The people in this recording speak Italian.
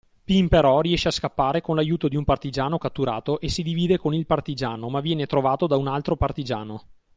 Pin però riesce a scappare con l’aiuto di un partigiano catturato e si divide con il partigiano ma viene trovato da un altro partigiano.